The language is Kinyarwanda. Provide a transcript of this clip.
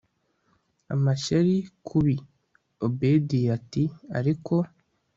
amashyari kubi obedia ati ariko